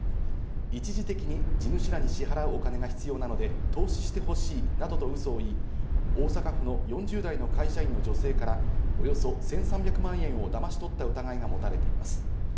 一時的に地主らに支払うお金が必要なので投資してほしいなどとウソを言い、大阪府の４０代の会社員の女性からおよそ１３００万円をだまし取った疑いが持たれています。